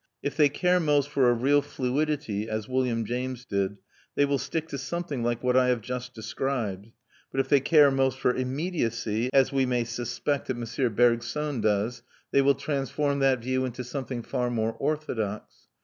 If they care most for a real fluidity, as William James did, they will stick to something like what I have just described; but if they care most for immediacy, as we may suspect that M. Bergson does, they will transform that view into something far more orthodox.